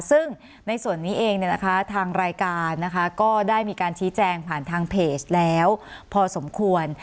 ซึ่งในส่วนนี้เองทางรายการนะคะก็ได้มีการชี้แจงผ่านทางเพจแล้วพอสมควร